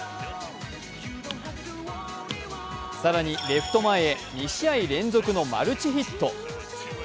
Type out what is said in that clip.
更に、レフト前へ２試合連続のマルチヒット。